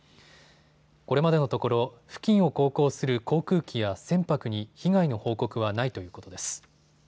これまでのところ付近を航行する航空機や船舶に被害の報告はないということです。